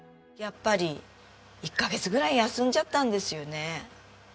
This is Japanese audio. やっぱり１カ月ぐらい休んじゃったんですよね。